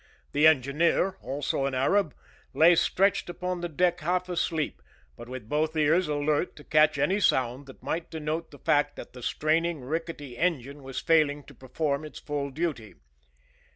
The engineer, also an Arab, lay stretched upon the deck half asleep, but with both ears alert to catch any sound that might denote the fact that the straining, rickety engine was failing to perform its full duty.